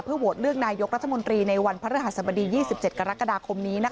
โหวตเลือกนายกรัฐมนตรีในวันพระฤหัสบดี๒๗กรกฎาคมนี้